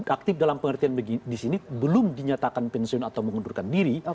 aktif dalam pengertian di sini belum dinyatakan pensiun atau mengundurkan diri